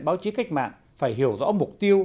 báo chí cách mạng phải hiểu rõ mục tiêu